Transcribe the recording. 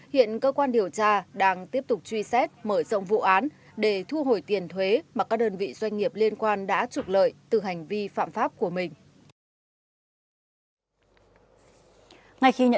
hiện cơ quan điều tra đang tiếp tục truy xét mở rộng vụ án để thu hồi tiền thuế mà các đơn vị doanh nghiệp liên quan đã trục lợi từ hành vi phạm pháp của mình